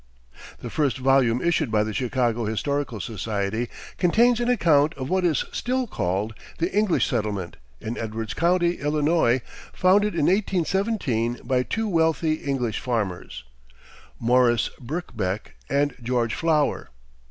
The first volume issued by the Chicago Historical Society contains an account of what is still called the "English Settlement," in Edwards County, Illinois, founded in 1817 by two wealthy English farmers, Morris Birkbeck and George Flower.